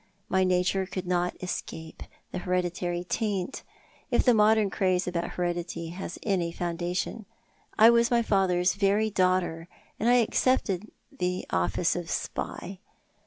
My nature could not escape the hereditary taint— if the modern craze about heredity has any foundation. I was my father's very daughter, and I accepted my office of spy.